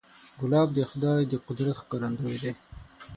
ګلاب د خدای د قدرت ښکارندوی دی.